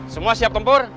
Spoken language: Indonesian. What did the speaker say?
semua siap tempur